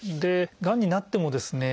がんになってもですね